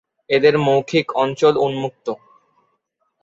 এদের মৌখিক অঞ্চল উন্মুক্ত।